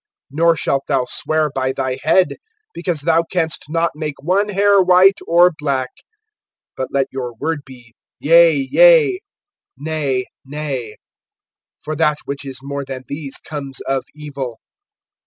(36)Nor shalt thou swear by thy head; because thou canst not make one hair white or black. (37)But let your word be, Yea, yea, Nay, nay; for that which is more than these comes of evil.